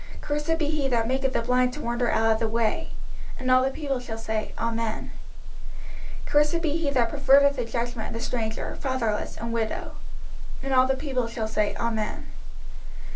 05:027:018 Cursed be he that maketh the blind to wander out of the way. And all the people shall say, Amen. 05:027:019 Cursed be he that perverteth the judgment of the stranger, fatherless, and widow. And all the people shall say, Amen.